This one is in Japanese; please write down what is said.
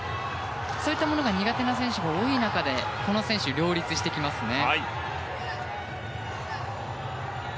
そういったものが苦手な選手が多い中でこの選手は両立してきますね。